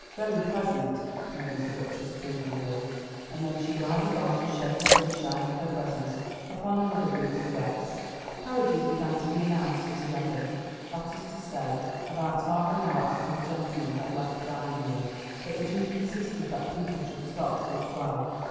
"Very pleasant," murmured the Duchess approvingly: and then she glided on to shed the sunshine of her presence upon another group of guests. Carriages began to be announced at eleven that is to say, about half an hour after the gentlemen had left the dining room but the Duke insisted that people should stop till twelve.